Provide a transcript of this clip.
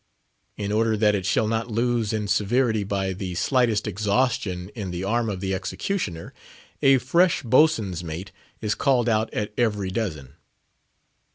In order that it shall not lose in severity by the slightest exhaustion in the arm of the executioner, a fresh boatswain's mate is called out at every dozen.